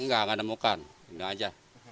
enggak tidak menemukan tidak saja